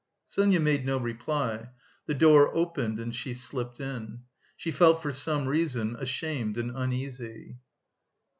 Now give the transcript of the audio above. Sonia made no reply; the door opened and she slipped in. She felt for some reason ashamed and uneasy.